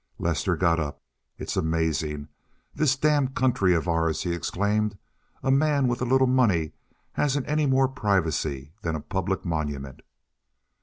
Lester got up. "It's amazing—this damned country of ours!" he exclaimed. "A man with a little money hasn't any more privacy than a public monument."